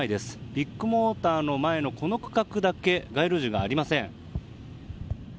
ビッグモーターの前のこの区画だけ街路樹がありません。